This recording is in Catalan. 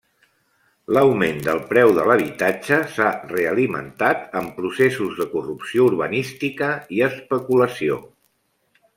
L'augment del preu de l'habitatge s'ha realimentat amb processos de corrupció urbanística i especulació.